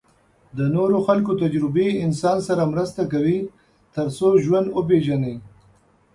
د نورو خلکو تجربې انسان سره مرسته کوي تر څو ژوند وپېژني.